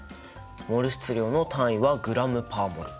モル質量の単位はｇ／ｍｏｌ！